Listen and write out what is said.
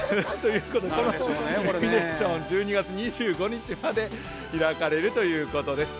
このイルミネーション１２月２５日まで開かれるということです。